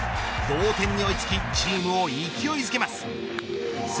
同点に追いつきチームを勢いづけます。